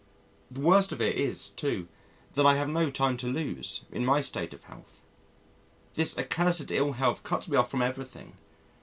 The worst of it is, too, that I have no time to lose in my state of health. This accursed ill health cuts me off from everything.